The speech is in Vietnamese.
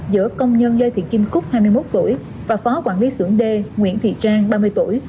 giữa công nhân lê thị kim cúc hai mươi một tuổi và phó quản lý xưởng d nguyễn thị trang ba mươi tuổi